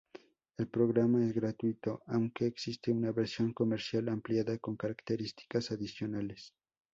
El programa es gratuito, aunque existe una versión comercial ampliada con características adicionales.